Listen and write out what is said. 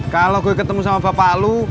kalau gue ketemu sama bapak lu